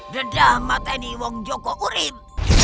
dedah mati ini orang joko urib